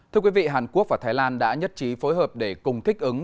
thưa quý vị hàn quốc và thái lan đã nhất trí phối hợp để cùng thích ứng